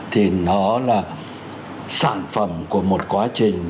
thì nó là sản phẩm của một quá trình